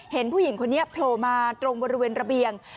เห็นผู้หญิงคนนี้โผล่มาตรงบริเวณระเบียง